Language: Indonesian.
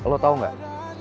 lo tau gak